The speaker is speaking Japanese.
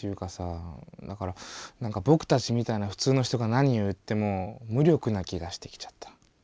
だからなんかぼくたちみたいなふつうの人が何を言っても無力な気がしてきちゃった。